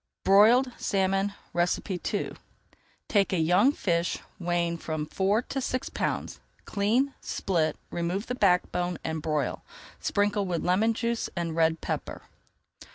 BROILED SALMON II Take a young fish weighing from four to six pounds, clean, split, remove the backbone and broil. Sprinkle with lemon juice and red pepper.